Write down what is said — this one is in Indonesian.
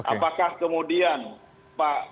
apakah kemudian pak muldoko